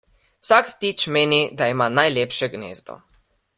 Vsak ptič meni, da ima najlepše gnezdo.